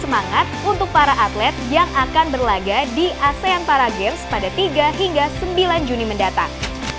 semangat untuk para atlet yang akan berlaga di asean para games pada tiga hingga sembilan juni mendatang